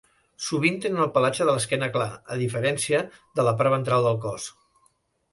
Sovint tenen el pelatge de l'esquena clar, a diferència de la part ventral del cos.